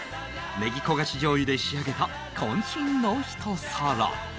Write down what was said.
ネギ焦がし醤油で仕上げた渾身のひと皿